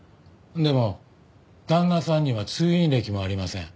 でも旦那さんには通院歴もありません。